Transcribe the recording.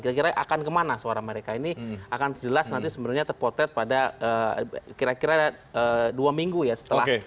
kira kira akan kemana suara mereka ini akan jelas nanti sebenarnya terpotret pada kira kira dua minggu ya setelah